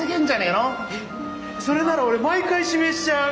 えっそれなら俺毎回指名しちゃう！